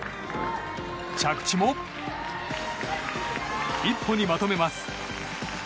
着地も１歩にまとめます。